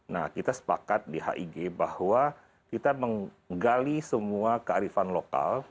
nah kita sepakat di hig bahwa kita menggali semua kearifan lokal